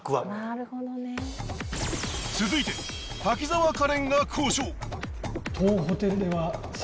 なるほどね続いて滝沢カレンが交渉！